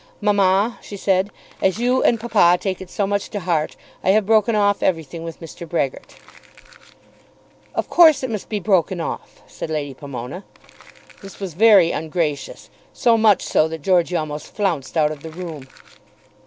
"Mamma," she said, "as you and papa take it so much to heart, I have broken off everything with Mr. Brehgert." "Of course it must be broken off," said Lady Pomona. This was very ungracious, so much so that Georgey almost flounced out of the room.